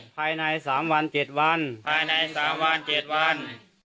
ภายในสามวันเจ็ดวันภายในสามวันเจ็ดวัน